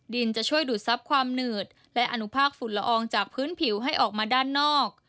จะช่วยดูดซับความหนืดและอนุภาคฝุ่นละอองจากพื้นผิวให้ออกมาด้านนอก